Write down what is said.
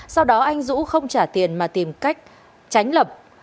sau đó anh dũ không trả tiền mà tìm cách tránh lập